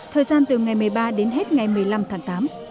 thời gian từ ngày một mươi ba đến hết ngày một mươi năm tháng tám